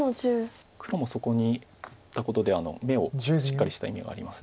黒もそこに打ったことで眼をしっかりした意味があります